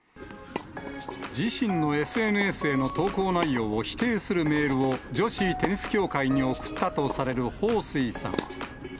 自身のＳＮＳへの投稿内容を否定するメールを女子テニス協会に送ったとされる彭帥さん。